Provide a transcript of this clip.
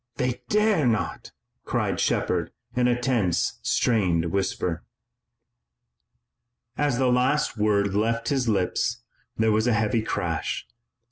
They dare not!" cried Shepard in a tense, strained whisper. As the last word left his lips there was a heavy crash.